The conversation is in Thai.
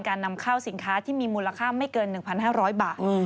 นำเข้าสินค้าที่มีมูลค่าไม่เกิน๑๕๐๐บาท